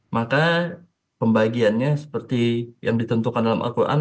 maka pembagiannya seperti yang ditentukan dalam al quran